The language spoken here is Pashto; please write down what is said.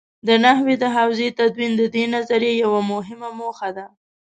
د نحوې د حوزې تدوین د دې نظریې یوه مهمه موخه ده.